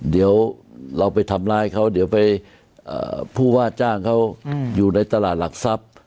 เดี๋ยวเราไปทำร้ายเขาเดี๋ยวไปผู้ว่าจ้างเขาอยู่ในตลาดหลักทรัพย์